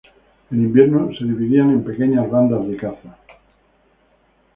En invierno se dividían en pequeñas bandas de caza.